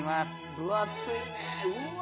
分厚いねうわ